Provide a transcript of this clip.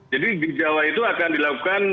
jadi di jawa itu akan dilakukan